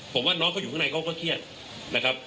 ผมว่าน้องเขาอยู่ข้างในเขาก็เครียดนะครับ